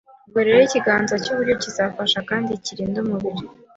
Ubwo rero ikiganza cy’iburyo kizafasha kandi kirinde umubiri.